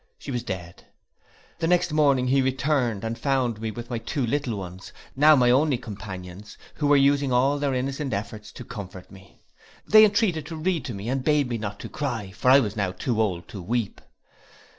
She was dead!—The next morning he returned, and found me with my two little ones, now my only companions, who were using all their innocent efforts to comfort me. They entreated to read to me, and bade me not to cry, for I was now too old to weep.